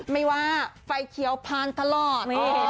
ไม่ว่าไฟเครียวพานทะลอด